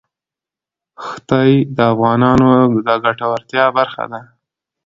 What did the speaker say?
ښتې د افغانانو د ګټورتیا برخه ده.